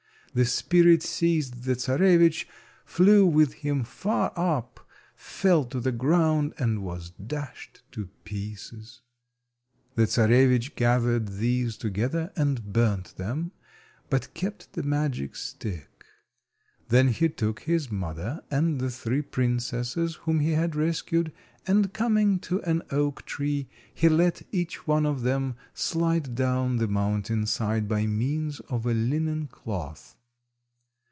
The spirit seized the Czarewitch, flew with him far up, fell to the ground, and was dashed to pieces. The Czarewitch gathered these together, and burnt them, but kept the magic stick. Then he took his mother and the three princesses whom he had rescued, and, coming to an oak tree, he let each one of them slide down the mountain side by means of a linen cloth.